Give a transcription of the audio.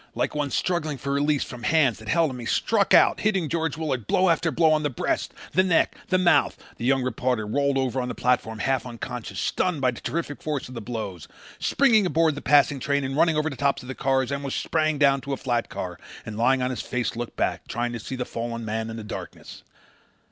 Like one struggling for release from hands that held him he struck out, hitting George Willard blow after blow on the breast, the neck, the mouth. The young reporter rolled over on the platform half unconscious, stunned by the terrific force of the blows. Springing aboard the passing train and running over the tops of cars, Elmer sprang down to a flat car and lying on his face looked back, trying to see the fallen man in the darkness.